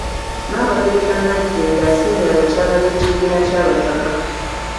Nnaabagereka Nagginda asiimye abakyala b'ekibiina ky'Abataka.